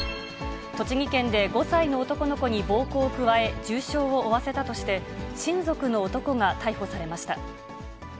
栃木県で、５歳の男の子に暴行を加え重傷を負わせたとして、親族の男が逮捕されました。